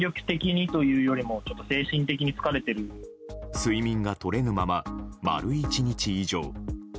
睡眠がとれぬまま丸１日以上。